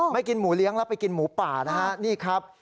กินหมูเลี้ยงแล้วไปกินหมูป่านะฮะนี่ครับ